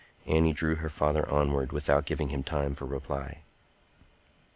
Annie drew her father onward without giving him time for reply.